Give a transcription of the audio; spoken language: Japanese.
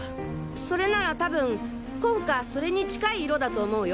それなら多分紺かそれに近い色だと思うよ！